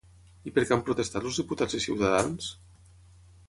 I per què han protestat els diputats de Ciutadans?